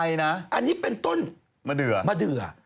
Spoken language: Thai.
อันนี้เป็นต้นมาเดือ